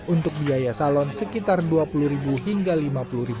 untuk biaya salon sekitar rp dua puluh hingga rp lima puluh